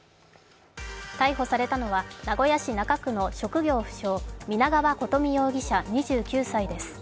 逮捕されたのは名古屋市中区の職業不詳、皆川琴美容疑者２９歳です。